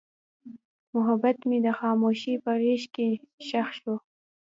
محبت مې د خاموشۍ په غېږ کې ښخ شو.